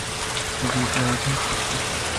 وزیراعظم تو تھے۔